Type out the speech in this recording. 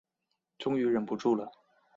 终于忍不住了